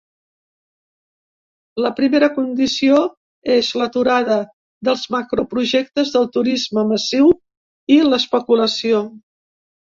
La primera condició és “l’aturada dels macroprojectes del turisme massiu i l’especulació”.